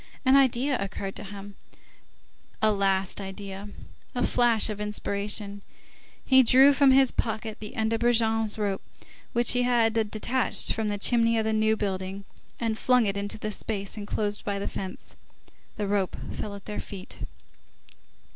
An idea occurred to him, a last idea, a flash of inspiration; he drew from his pocket the end of Brujon's rope, which he had detached from the chimney of the New Building, and flung it into the space enclosed by the fence. This rope fell at their feet.